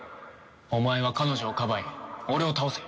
お前は彼女をかばい俺を倒せ。